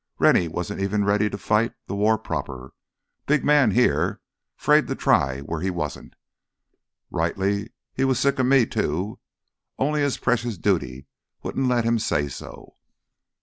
Rennie wasn't even ready to fight th' war proper—big man here, 'fraid to try it where he wasn't! Rightly he was sick of me, too, only his precious duty wouldn't let him say so.